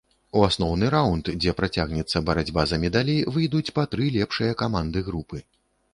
У асноўны раўнд, дзе працягнецца барацьба за медалі, выйдуць па тры лепшыя каманды групы.